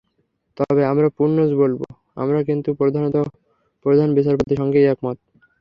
তবে আমরা পুনশ্চ বলব, আমরা কিন্তু প্রধানত প্রধান বিচারপতির সঙ্গেই একমত।